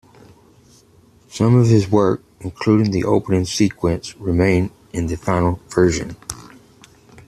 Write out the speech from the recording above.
Some of his work, including the opening sequence, remain in the final version.